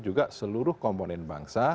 juga seluruh komponen bangsa